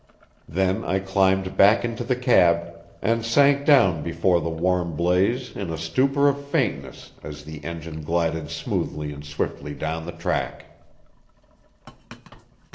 Then I climbed back into the cab, and sank down before the warm blaze in a stupor of faintness as the engine glided smoothly and swiftly down the track.